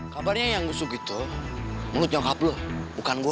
kabarnya yang gusuk itu menurut nyokap lo bukan gua